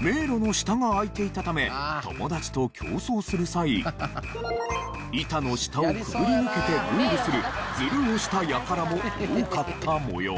迷路の下が空いていたため友達と競争する際板の下をくぐり抜けてゴールするずるをした輩も多かった模様。